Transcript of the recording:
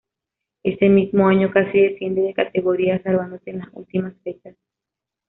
Ese mismo año casi desciende de categoría salvándose en las últimas fechas.